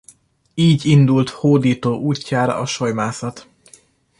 Így indult hódító útjára a solymászat.